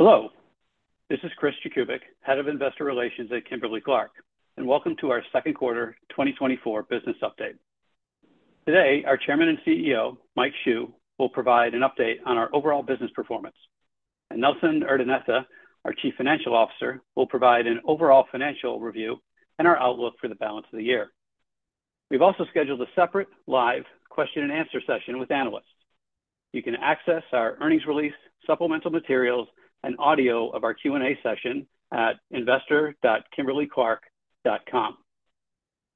Hello. This is Chris Jakubik, Head of Investor Relations at Kimberly-Clark, and welcome to our second quarter 2024 business update. Today, our Chairman and CEO, Mike Hsu, will provide an update on our overall business performance, and Nelson Urdaneta, our Chief Financial Officer, will provide an overall financial review and our outlook for the balance of the year. We've also scheduled a separate live question-and-answer session with analysts. You can access our earnings release, supplemental materials, and audio of our Q&A session at investor.kimberly-clark.com.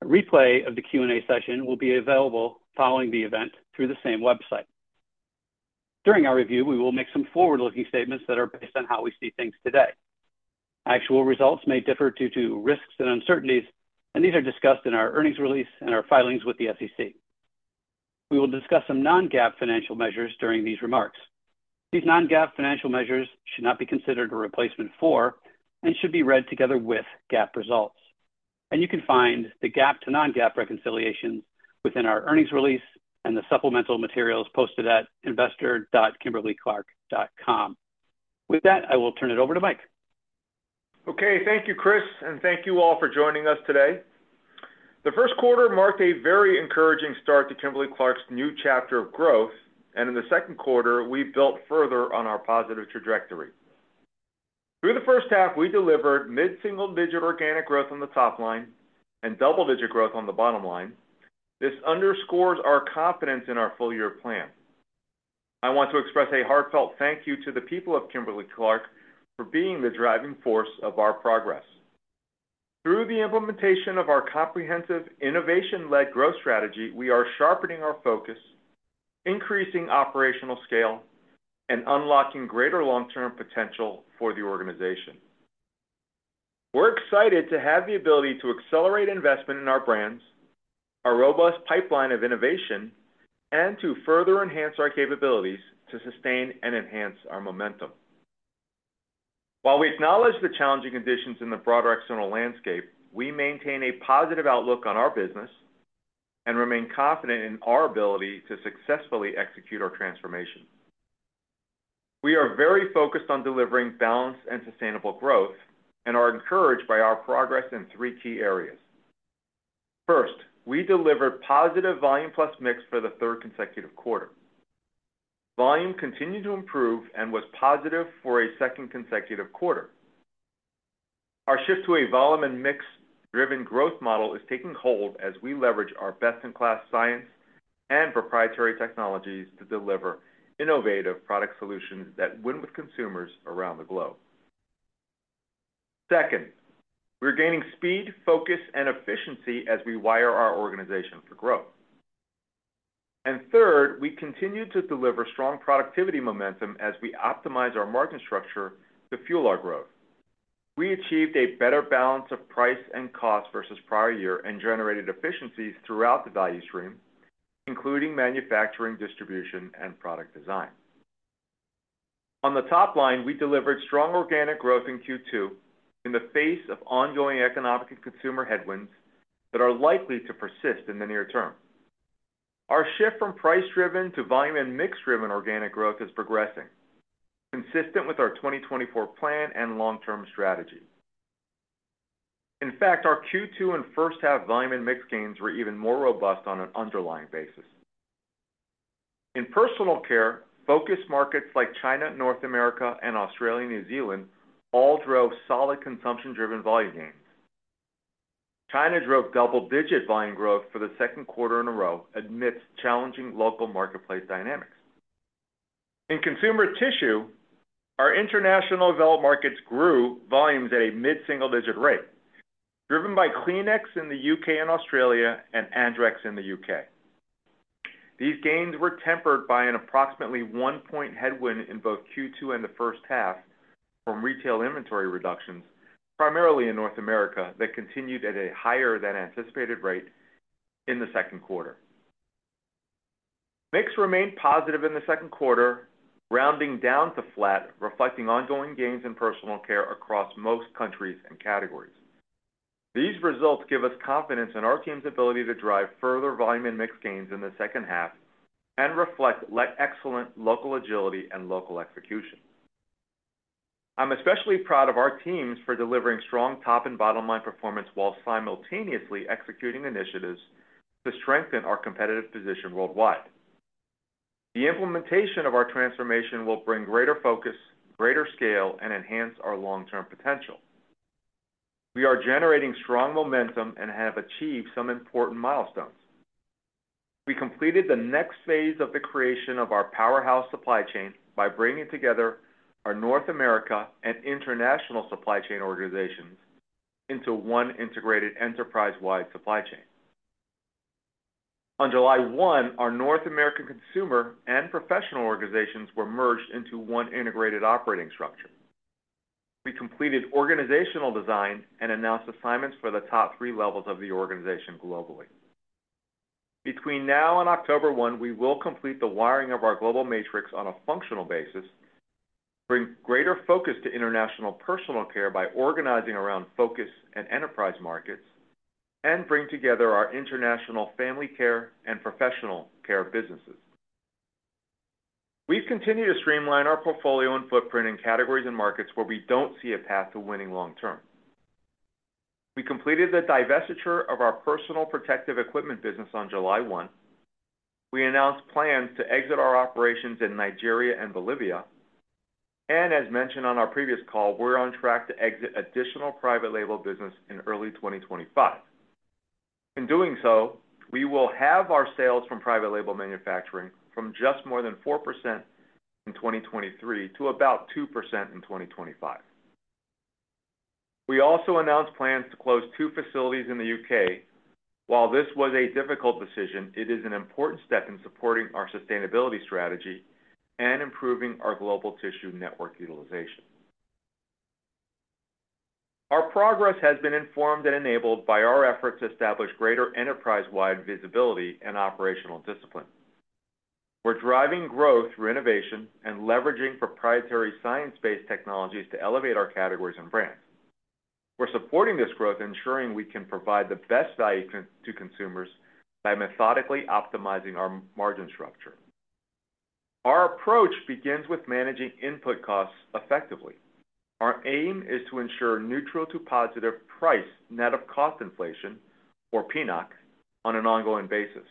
A replay of the Q&A session will be available following the event through the same website. During our review, we will make some forward-looking statements that are based on how we see things today. Actual results may differ due to risks and uncertainties, and these are discussed in our earnings release and our filings with the SEC. We will discuss some non-GAAP financial measures during these remarks. These non-GAAP financial measures should not be considered a replacement for and should be read together with GAAP results, and you can find the GAAP to non-GAAP reconciliations within our earnings release and the supplemental materials posted at investor.kimberly-clark.com. With that, I will turn it over to Mike. Okay. Thank you, Chris, and thank you all for joining us today. The first quarter marked a very encouraging start to Kimberly-Clark's new chapter of growth, and in the second quarter, we built further on our positive trajectory. Through the first half, we delivered mid-single-digit organic growth on the top line and double-digit growth on the bottom line. This underscores our confidence in our full-year plan. I want to express a heartfelt thank you to the people of Kimberly-Clark for being the driving force of our progress. Through the implementation of our comprehensive innovation-led growth strategy, we are sharpening our focus, increasing operational scale, and unlocking greater long-term potential for the organization. We're excited to have the ability to accelerate investment in our brands, our robust pipeline of innovation, and to further enhance our capabilities to sustain and enhance our momentum. While we acknowledge the challenging conditions in the broader external landscape, we maintain a positive outlook on our business and remain confident in our ability to successfully execute our transformation. We are very focused on delivering balanced and sustainable growth and are encouraged by our progress in three key areas. First, we delivered positive volume plus mix for the third consecutive quarter. Volume continued to improve and was positive for a second consecutive quarter. Our shift to a volume and mix-driven growth model is taking hold as we leverage our best-in-class science and proprietary technologies to deliver innovative product solutions that win with consumers around the globe. Second, we're gaining speed, focus, and efficiency as we wire our organization for growth. Third, we continue to deliver strong productivity momentum as we optimize our margin structure to fuel our growth. We achieved a better balance of price and cost versus prior year and generated efficiencies throughout the value stream, including manufacturing, distribution, and product design. On the top line, we delivered strong organic growth in Q2 in the face of ongoing economic and consumer headwinds that are likely to persist in the near term. Our shift from price-driven to volume and mix-driven organic growth is progressing, consistent with our 2024 plan and long-term strategy. In fact, our Q2 and first-half volume and mix gains were even more robust on an underlying basis. In Personal Care, focus markets like China, North America, and Australia/New Zealand all drove solid consumption-driven volume gains. China drove double-digit volume growth for the second quarter in a row amidst challenging local marketplace dynamics. In Consumer Tissue, our international developed markets grew volumes at a mid-single-digit rate, driven by Kleenex in the U.K. and Australia and Andrex in the U.K. These gains were tempered by an approximately one-point headwind in both Q2 and the first half from retail inventory reductions, primarily in North America, that continued at a higher-than-anticipated rate in the second quarter. Mix remained positive in the second quarter, rounding down to flat, reflecting ongoing gains in Personal Care across most countries and categories. These results give us confidence in our team's ability to drive further volume and mix gains in the second half and reflect excellent local agility and local execution. I'm especially proud of our teams for delivering strong top and bottom-line performance while simultaneously executing initiatives to strengthen our competitive position worldwide. The implementation of our transformation will bring greater focus, greater scale, and enhance our long-term potential. We are generating strong momentum and have achieved some important milestones. We completed the next phase of the creation of our powerhouse supply chain by bringing together our North America and international supply chain organizations into one integrated enterprise-wide supply chain. On July 1, our North American consumer and professional organizations were merged into one integrated operating structure. We completed organizational design and announced assignments for the top three levels of the organization globally. Between now and October 1, we will complete the wiring of our global matrix on a functional basis, bring greater focus to international personal care by organizing around focus and enterprise markets, and bring together our international Family Care and Professional Care businesses. We've continued to streamline our portfolio and footprint in categories and markets where we don't see a path to winning long-term. We completed the divestiture of our personal protective equipment business on July 1. We announced plans to exit our operations in Nigeria and Bolivia, and as mentioned on our previous call, we're on track to exit additional private label business in early 2025. In doing so, we will have our sales from private label manufacturing from just more than 4% in 2023 to about 2% in 2025. We also announced plans to close two facilities in the U.K. While this was a difficult decision, it is an important step in supporting our sustainability strategy and improving our global tissue network utilization. Our progress has been informed and enabled by our efforts to establish greater enterprise-wide visibility and operational discipline. We're driving growth through innovation and leveraging proprietary science-based technologies to elevate our categories and brands. We're supporting this growth, ensuring we can provide the best value to consumers by methodically optimizing our margin structure. Our approach begins with managing input costs effectively. Our aim is to ensure neutral to positive price net of cost inflation, or PNOC, on an ongoing basis.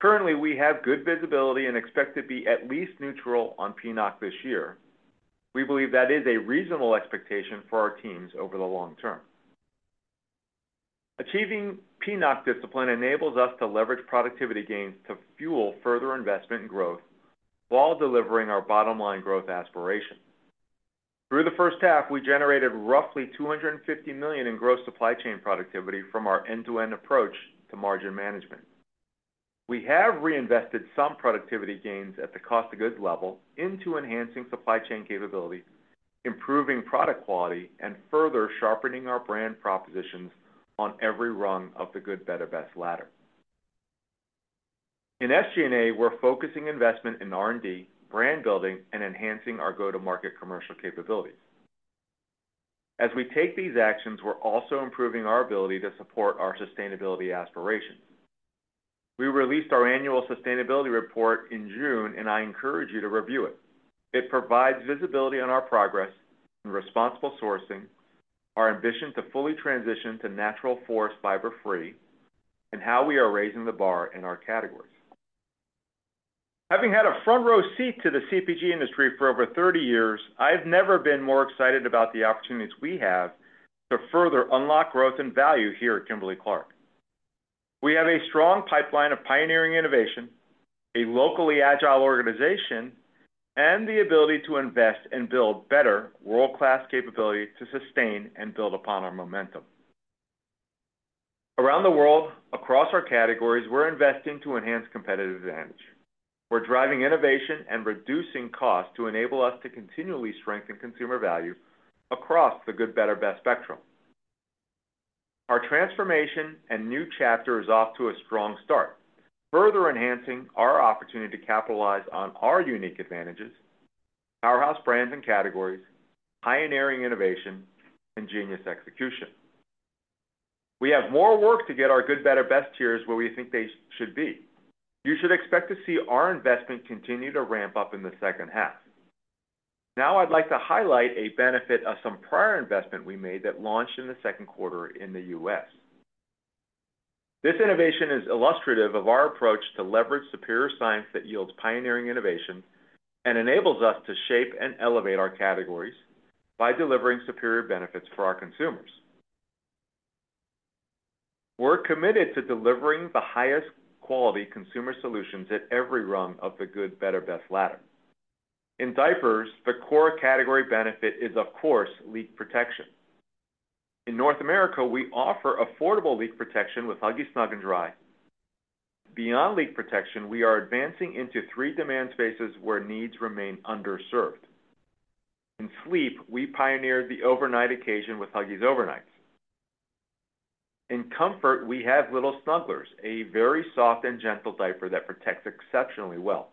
Currently, we have good visibility and expect to be at least neutral on PNOC this year. We believe that is a reasonable expectation for our teams over the long term. Achieving PNOC discipline enables us to leverage productivity gains to fuel further investment and growth while delivering our bottom-line growth aspiration. Through the first half, we generated roughly $250 million in gross supply chain productivity from our end-to-end approach to margin management. We have reinvested some productivity gains at the cost of goods level into enhancing supply chain capability, improving product quality, and further sharpening our brand propositions on every rung of the good/better/best ladder. In SG&A, we're focusing investment in R&D, brand building, and enhancing our go-to-market commercial capabilities. As we take these actions, we're also improving our ability to support our sustainability aspirations. We released our annual sustainability report in June, and I encourage you to review it. It provides visibility on our progress and responsible sourcing, our ambition to fully transition to natural forest fiber-free, and how we are raising the bar in our categories. Having had a front-row seat to the CPG industry for over 30 years, I've never been more excited about the opportunities we have to further unlock growth and value here at Kimberly-Clark. We have a strong pipeline of pioneering innovation, a locally agile organization, and the ability to invest and build better world-class capability to sustain and build upon our momentum. Around the world, across our categories, we're investing to enhance competitive advantage. We're driving innovation and reducing costs to enable us to continually strengthen consumer value across the good/better/best spectrum. Our transformation and new chapter is off to a strong start, further enhancing our opportunity to capitalize on our unique advantages, powerhouse brands and categories, pioneering innovation, and genius execution. We have more work to get our good/better/best tiers where we think they should be. You should expect to see our investment continue to ramp up in the second half. Now, I'd like to highlight a benefit of some prior investment we made that launched in the second quarter in the U.S. This innovation is illustrative of our approach to leverage superior science that yields pioneering innovation and enables us to shape and elevate our categories by delivering superior benefits for our consumers. We're committed to delivering the highest quality consumer solutions at every rung of the good/better/best ladder. In diapers, the core category benefit is, of course, leak protection. In North America, we offer affordable leak protection with Huggies Snug & Dry. Beyond leak protection, we are advancing into three demand spaces where needs remain underserved. In sleep, we pioneered the overnight occasion with Huggies Overnites. In comfort, we have Little Snugglers, a very soft and gentle diaper that protects exceptionally well.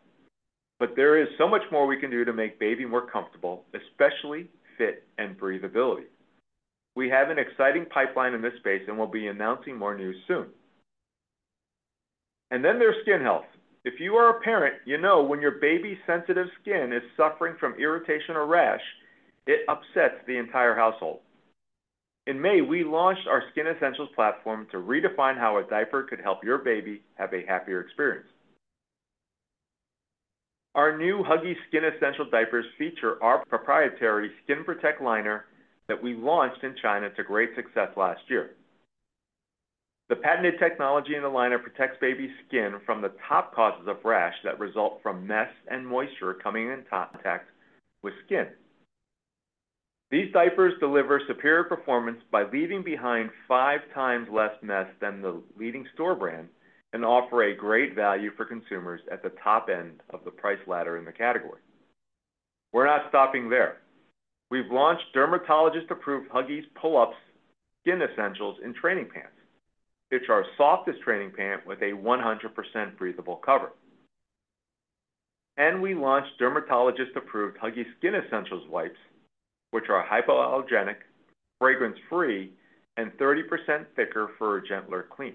But there is so much more we can do to make baby more comfortable, especially fit and breathability. We have an exciting pipeline in this space and will be announcing more news soon. And then there's skin health. If you are a parent, you know when your baby's sensitive skin is suffering from irritation or rash, it upsets the entire household. In May, we launched our Skin Essentials platform to redefine how a diaper could help your baby have a happier experience. Our new Huggies Skin Essentials diapers feature our proprietary SkinProtect Liner that we launched in China to great success last year. The patented technology in the liner protects baby's skin from the top causes of rash that result from mess and moisture coming in contact with skin. These diapers deliver superior performance by leaving behind five times less mess than the leading store brand and offer a great value for consumers at the top end of the price ladder in the category. We're not stopping there. We've launched dermatologist-approved Huggies Pull-Ups Skin Essentials Training Pants, which are soft as training pants with a 100% breathable cover. We launched dermatologist-approved Huggies Skin Essentials Wipes, which are hypoallergenic, fragrance-free, and 30% thicker for a gentler clean.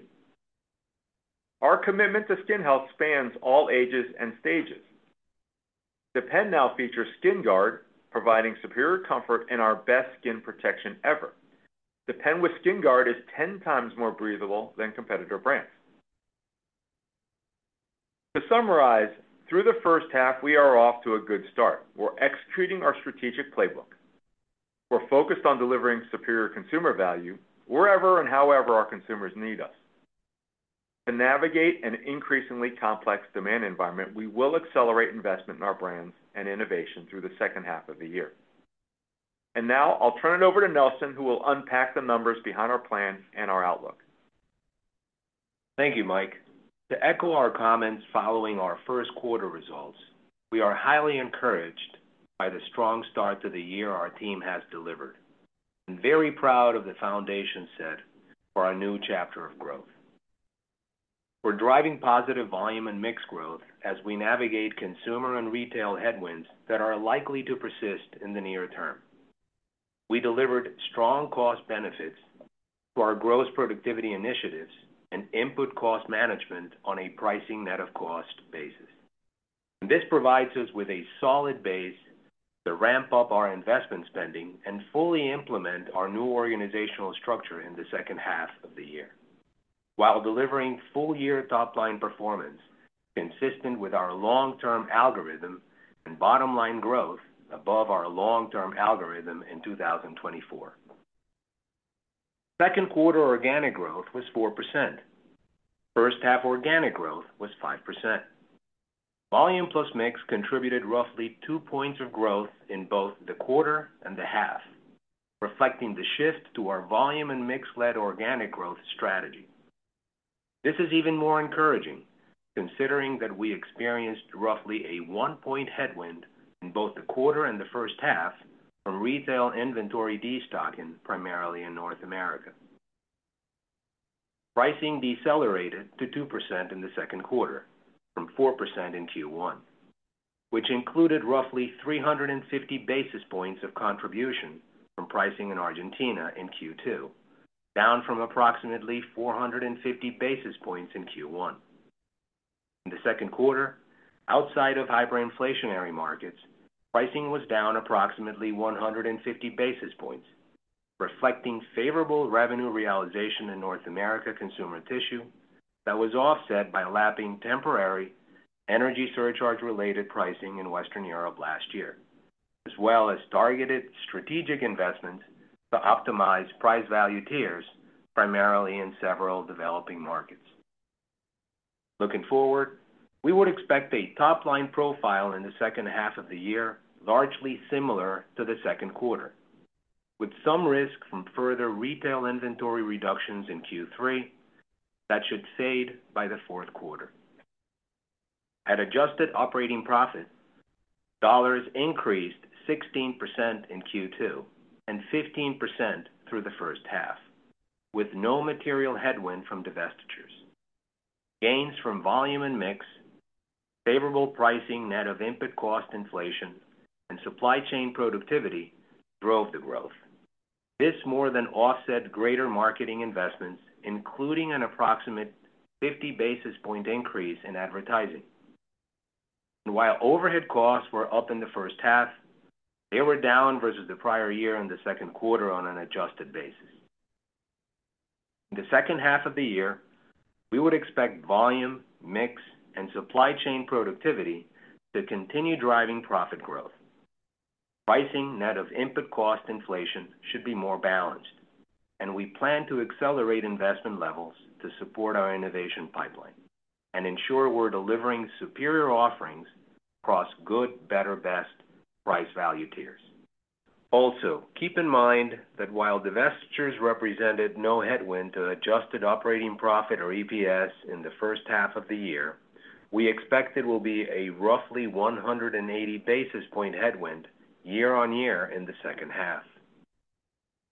Our commitment to skin health spans all ages and stages. Depend now features SkinGuard, providing superior comfort and our best skin protection ever. Depend with SkinGuard is 10x more breathable than competitor brands. To summarize, through the first half, we are off to a good start. We're executing our strategic playbook. We're focused on delivering superior consumer value wherever and however our consumers need us. To navigate an increasingly complex demand environment, we will accelerate investment in our brands and innovation through the second half of the year. And now, I'll turn it over to Nelson, who will unpack the numbers behind our plan and our outlook. Thank you, Mike. To echo our comments following our first quarter results, we are highly encouraged by the strong start to the year our team has delivered and very proud of the foundation set for our new chapter of growth. We're driving positive volume and mix growth as we navigate consumer and retail headwinds that are likely to persist in the near term. We delivered strong cost benefits for our gross productivity initiatives and input cost management on a pricing net of cost basis. This provides us with a solid base to ramp up our investment spending and fully implement our new organizational structure in the second half of the year while delivering full-year top-line performance consistent with our long-term algorithm and bottom-line growth above our long-term algorithm in 2024. Second quarter organic growth was 4%. First-half organic growth was 5%. Volume plus mix contributed roughly 2 points of growth in both the quarter and the half, reflecting the shift to our volume and mix-led organic growth strategy. This is even more encouraging considering that we experienced roughly a 1-point headwind in both the quarter and the first half from retail inventory destocking, primarily in North America. Pricing decelerated to 2% in the second quarter from 4% in Q1, which included roughly 350 basis points of contribution from pricing in Argentina in Q2, down from approximately 450 basis points in Q1. In the second quarter, outside of hyperinflationary markets, pricing was down approximately 150 basis points, reflecting favorable revenue realization in North America Consumer Tissue that was offset by lapping temporary energy surcharge-related pricing in Western Europe last year, as well as targeted strategic investments to optimize price value tiers primarily in several developing markets. Looking forward, we would expect a top-line profile in the second half of the year largely similar to the second quarter, with some risk from further retail inventory reductions in Q3 that should fade by the fourth quarter. At adjusted operating profit, dollars increased 16% in Q2 and 15% through the first half, with no material headwind from divestitures. Gains from volume and mix, favorable pricing net of input cost inflation, and supply chain productivity drove the growth. This more than offset greater marketing investments, including an approximate 50 basis point increase in advertising. While overhead costs were up in the first half, they were down versus the prior year in the second quarter on an adjusted basis. In the second half of the year, we would expect volume, mix, and supply chain productivity to continue driving profit growth. Pricing net of input cost inflation should be more balanced, and we plan to accelerate investment levels to support our innovation pipeline and ensure we're delivering superior offerings across good/better/best price value tiers. Also, keep in mind that while divestitures represented no headwind to adjusted operating profit or EPS in the first half of the year, we expect it will be a roughly 180 basis point headwind year-on-year in the second half.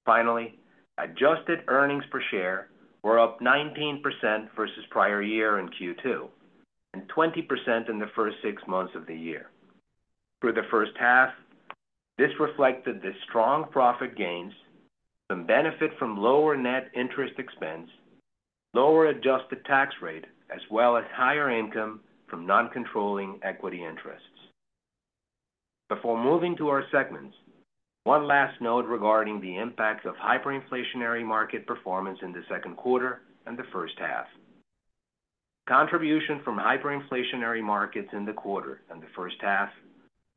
Finally, adjusted earnings per share were up 19% versus prior year in Q2 and 20% in the first six months of the year. Through the first half, this reflected the strong profit gains, some benefit from lower net interest expense, lower adjusted tax rate, as well as higher income from non-controlling equity interests. Before moving to our segments, one last note regarding the impact of hyperinflationary market performance in the second quarter and the first half. Contribution from hyperinflationary markets in the quarter and the first half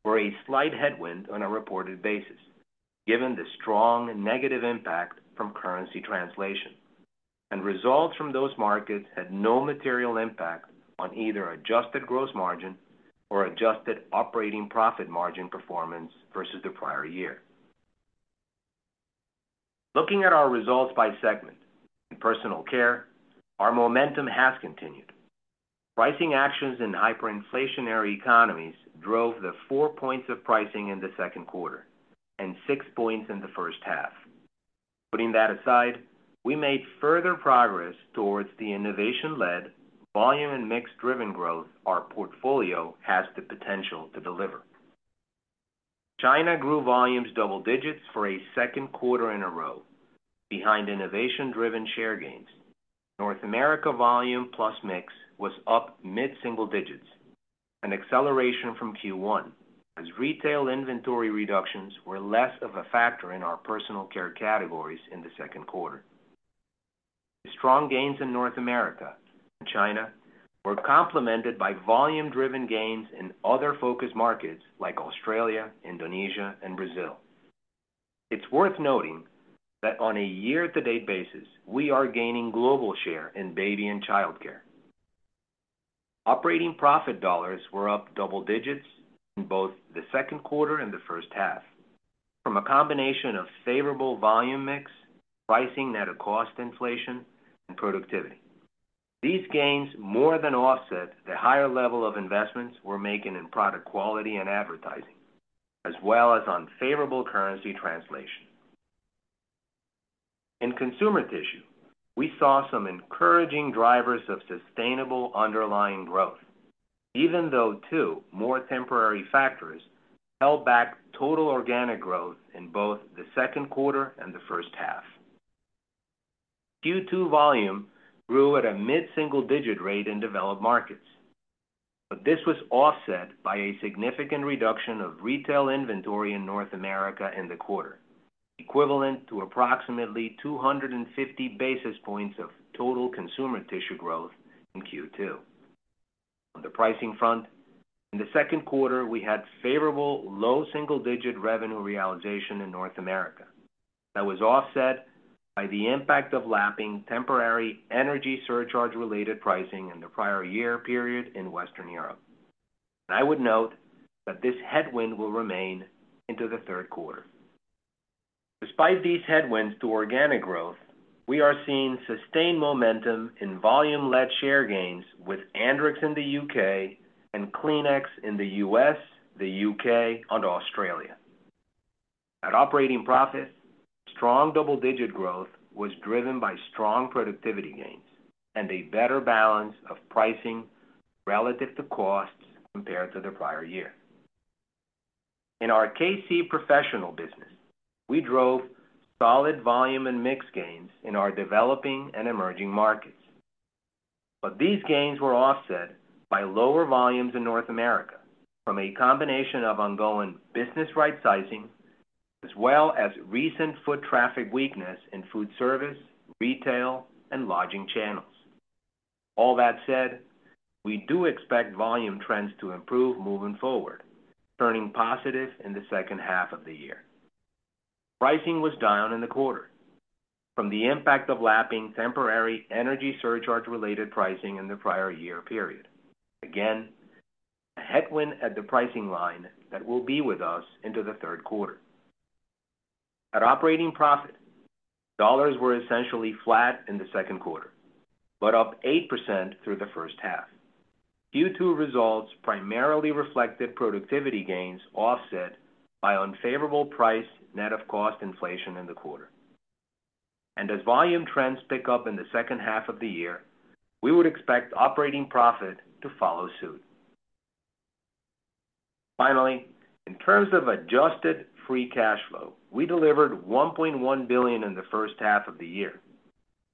were a slight headwind on a reported basis, given the strong negative impact from currency translation. Results from those markets had no material impact on either adjusted gross margin or adjusted operating profit margin performance versus the prior year. Looking at our results by segment in personal care, our momentum has continued. Pricing actions in hyperinflationary economies drove the four points of pricing in the second quarter and six points in the first half. Putting that aside, we made further progress towards the innovation-led volume and mix-driven growth our portfolio has the potential to deliver. China grew volumes double digits for a second quarter in a row, behind innovation-driven share gains. North America volume plus mix was up mid-single digits, an acceleration from Q1 as retail inventory reductions were less of a factor in our personal care categories in the second quarter. The strong gains in North America and China were complemented by volume-driven gains in other focus markets like Australia, Indonesia, and Brazil. It's worth noting that on a year-to-date basis, we are gaining global share in baby and child care. Operating profit dollars were up double digits in both the second quarter and the first half from a combination of favorable volume mix, pricing net of cost inflation, and productivity. These gains more than offset the higher level of investments we're making in product quality and advertising, as well as on favorable currency translation. In Consumer Tissue, we saw some encouraging drivers of sustainable underlying growth, even though two more temporary factors held back total organic growth in both the second quarter and the first half. Q2 volume grew at a mid-single digit rate in developed markets, but this was offset by a significant reduction of retail inventory in North America in the quarter, equivalent to approximately 250 basis points of total Consumer Tissue growth in Q2. On the pricing front, in the second quarter, we had favorable low single-digit revenue realization in North America that was offset by the impact of lapping temporary energy surcharge-related pricing in the prior year period in Western Europe. I would note that this headwind will remain into the third quarter. Despite these headwinds to organic growth, we are seeing sustained momentum in volume-led share gains with Andrex in the U.K. and Kleenex in the U.S., the U.K., and Australia. At operating profit, strong double-digit growth was driven by strong productivity gains and a better balance of pricing relative to costs compared to the prior year. In our K-C Professional business, we drove solid volume and mix gains in our developing and emerging markets. But these gains were offset by lower volumes in North America from a combination of ongoing business rightsizing, as well as recent foot traffic weakness in food service, retail, and lodging channels. All that said, we do expect volume trends to improve moving forward, turning positive in the second half of the year. Pricing was down in the quarter from the impact of lapping temporary energy surcharge-related pricing in the prior year period. Again, a headwind at the pricing line that will be with us into the third quarter. At operating profit, dollars were essentially flat in the second quarter, but up 8% through the first half. Q2 results primarily reflected productivity gains offset by unfavorable price net of cost inflation in the quarter. And as volume trends pick up in the second half of the year, we would expect operating profit to follow suit. Finally, in terms of adjusted free cash flow, we delivered $1.1 billion in the first half of the year,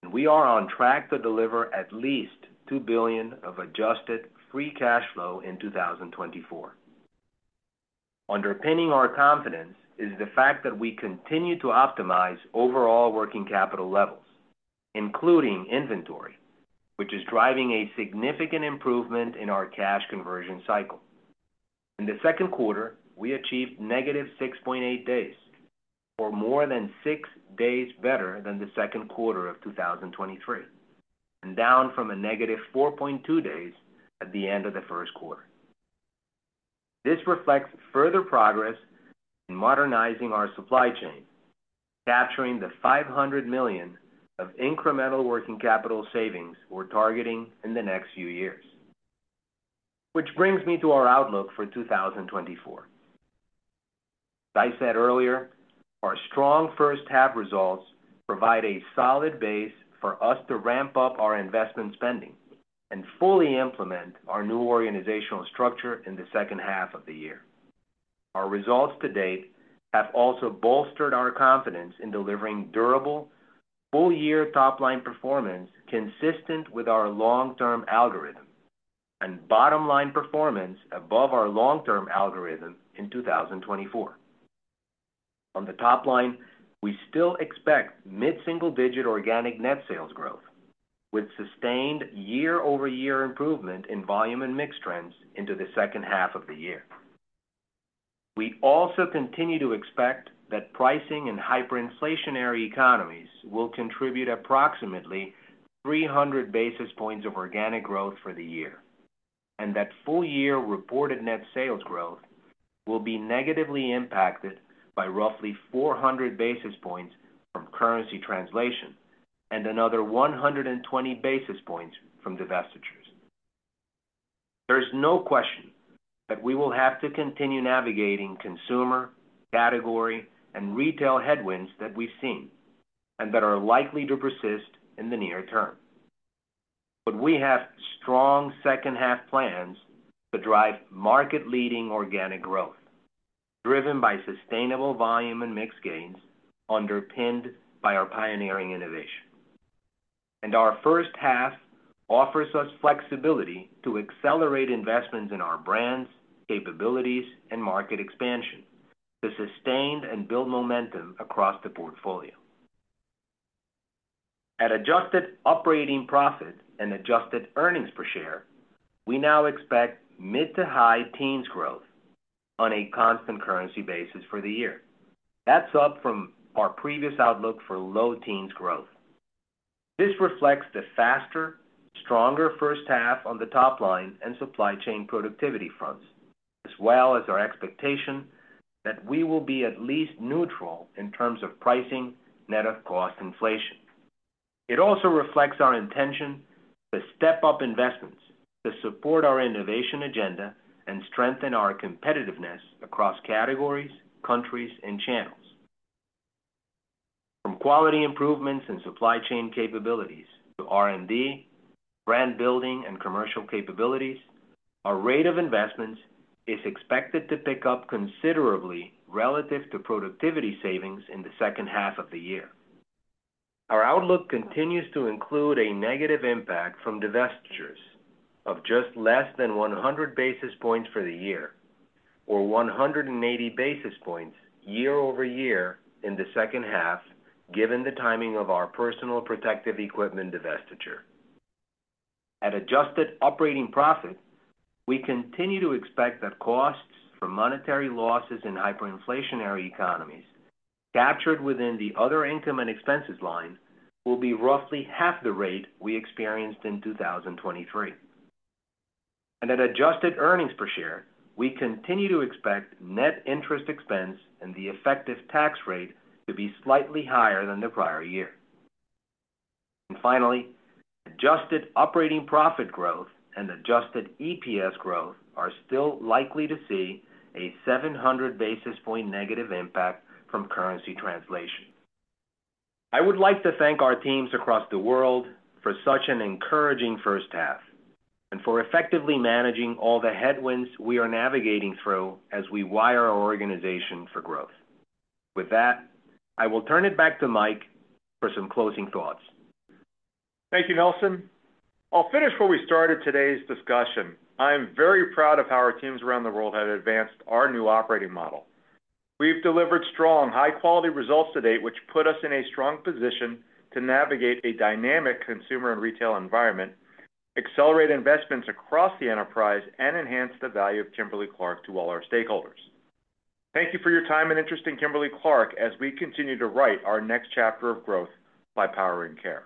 and we are on track to deliver at least $2 billion of adjusted free cash flow in 2024. Underpinning our confidence is the fact that we continue to optimize overall working capital levels, including inventory, which is driving a significant improvement in our cash conversion cycle. In the second quarter, we achieved -6.8 days, or more than six days better than the second quarter of 2023, and down from a -4.2 days at the end of the first quarter. This reflects further progress in modernizing our supply chain, capturing the $500 million of incremental working capital savings we're targeting in the next few years. Which brings me to our outlook for 2024. As I said earlier, our strong first-half results provide a solid base for us to ramp up our investment spending and fully implement our new organizational structure in the second half of the year. Our results to date have also bolstered our confidence in delivering durable full-year top-line performance consistent with our long-term algorithm and bottom-line performance above our long-term algorithm in 2024. On the top line, we still expect mid-single digit organic net sales growth with sustained year-over-year improvement in volume and mix trends into the second half of the year. We also continue to expect that pricing in hyperinflationary economies will contribute approximately 300 basis points of organic growth for the year and that full-year reported net sales growth will be negatively impacted by roughly 400 basis points from currency translation and another 120 basis points from divestitures. There's no question that we will have to continue navigating consumer, category, and retail headwinds that we've seen and that are likely to persist in the near term. But we have strong second-half plans to drive market-leading organic growth driven by sustainable volume and mix gains, underpinned by our pioneering innovation. Our first half offers us flexibility to accelerate investments in our brands, capabilities, and market expansion to sustain and build momentum across the portfolio. At adjusted operating profit and adjusted earnings per share, we now expect mid-to-high teens growth on a constant currency basis for the year. That's up from our previous outlook for low teens growth. This reflects the faster, stronger first half on the top line and supply chain productivity fronts, as well as our expectation that we will be at least neutral in terms of pricing net of cost inflation. It also reflects our intention to step up investments to support our innovation agenda and strengthen our competitiveness across categories, countries, and channels. From quality improvements in supply chain capabilities to R&D, brand building, and commercial capabilities, our rate of investments is expected to pick up considerably relative to productivity savings in the second half of the year. Our outlook continues to include a negative impact from divestitures of just less than 100 basis points for the year, or 180 basis points year-over-year in the second half, given the timing of our personal protective equipment divestiture. At adjusted operating profit, we continue to expect that costs from monetary losses in hyperinflationary economies captured within the other income and expenses line will be roughly half the rate we experienced in 2023. At adjusted earnings per share, we continue to expect net interest expense and the effective tax rate to be slightly higher than the prior year. Finally, adjusted operating profit growth and adjusted EPS growth are still likely to see a 700 basis point negative impact from currency translation. I would like to thank our teams across the world for such an encouraging first half and for effectively managing all the headwinds we are navigating through as we wire our organization for growth. With that, I will turn it back to Mike for some closing thoughts. Thank you, Nelson. I'll finish where we started today's discussion. I am very proud of how our teams around the world have advanced our new operating model. We've delivered strong, high-quality results to date, which put us in a strong position to navigate a dynamic consumer and retail environment, accelerate investments across the enterprise, and enhance the value of Kimberly-Clark to all our stakeholders. Thank you for your time and interest in Kimberly-Clark as we continue to write our next chapter of growth by powering care.